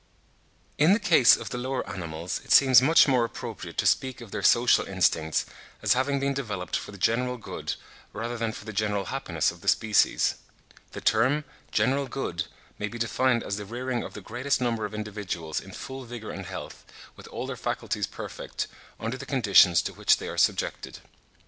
In the case of the lower animals it seems much more appropriate to speak of their social instincts, as having been developed for the general good rather than for the general happiness of the species. The term, general good, may be defined as the rearing of the greatest number of individuals in full vigour and health, with all their faculties perfect, under the conditions to which they are subjected.